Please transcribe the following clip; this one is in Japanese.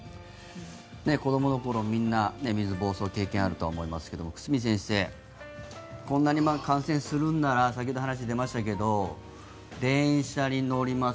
子どもの頃みんな、水ぼうそうの経験あると思いますが久住先生、こんなに感染するなら先ほど話に出ましたが電車に乗ります